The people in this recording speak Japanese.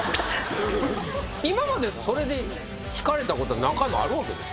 今までそれで引かれたこと何回もあるわけですか？